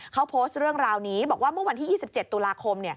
เขาโพสต์เรื่องราวนี้บอกว่าเมื่อวันที่๒๗ตุลาคม